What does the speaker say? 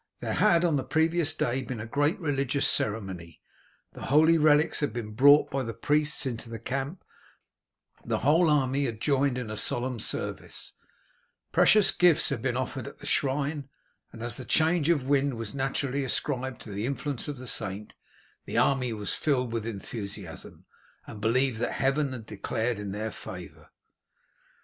There had on the previous day been a great religious ceremony; the holy relics had been brought by the priests into the camp; the whole army had joined in a solemn service; precious gifts had been offered at the shrine, and as the change of wind was naturally ascribed to the influence of the saint, the army was filled with enthusiasm, and believed that heaven had declared in their favour.